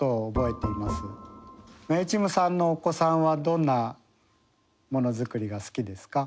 まゆちむさんのお子さんはどんなものづくりが好きですか？